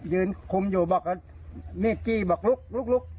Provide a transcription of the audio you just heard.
ยืนคุมอยู่บอกกับมีดจี้บอกลุก